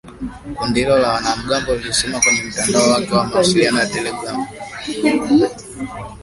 Kundi hilo la wanamgambo lilisema kwenye mtandao wake wa mawasiliano ya telegram.